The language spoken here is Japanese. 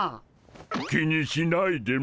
気にしないでモ。